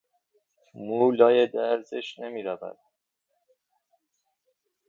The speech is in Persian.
مو لای درزش نمیرود.